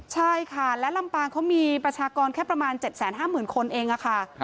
ใช่ค่ะและลำปางเขามีประชากรแค่ประมาณ๗๕๐๐๐คนเองค่ะ